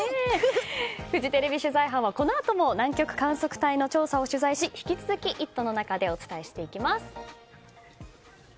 フジテレビ取材班はこのあとも南極調査隊を取材し引き続き「イット！」の中でお伝えしていきます。